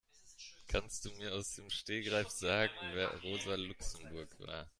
Kannst du mir aus dem Stegreif sagen, wer Rosa Luxemburg war?